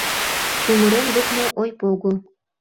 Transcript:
Чумырен лукмо ойпого.